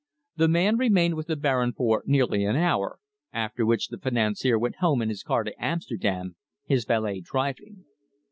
The man remained with the Baron for nearly an hour, after which the financier went home in his car to Amsterdam, his valet driving.